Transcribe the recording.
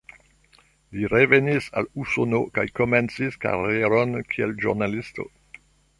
Li revenis al Usono kaj komencis karieron kiel ĵurnalisto.